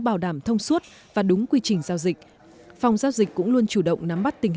bảo đảm thông suốt và đúng quy trình giao dịch phòng giao dịch cũng luôn chủ động nắm bắt tình